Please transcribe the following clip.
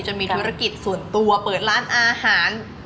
จะมีธุรกิจส่วนตัวเปิดร้านอาหาร